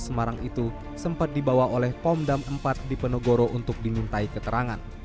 semarang itu sempat dibawa oleh pomdam empat di penogoro untuk dinuntai keterangan